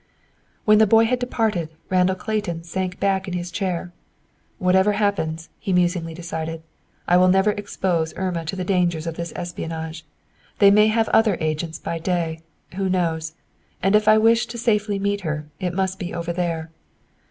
When the boy had departed, Randall Clayton sank back in his chair. "Whatever happens," he musingly decided, "I will never expose Irma to the dangers of this espionage. They may have other agents by day, who knows! And, if I wish to safely meet her, it must be over there."